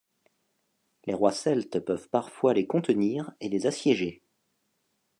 Les rois celtes peuvent parfois les contenir et les assiéger.